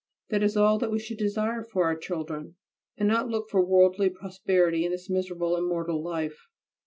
That is all that we should desire for our children, and not look for worldly prosperity in this miserable and mortal life.